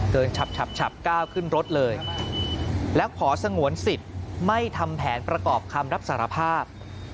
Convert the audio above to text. ฉับก้าวขึ้นรถเลยและขอสงวนสิทธิ์ไม่ทำแผนประกอบคำรับสารภาพ